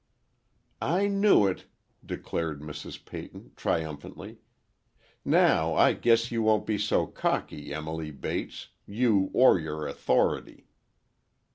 "I knew it," declared Mrs. Peyton, triumphantly. "Now, I guess you won't be so cocky, Emily Bates—you or your 'authority!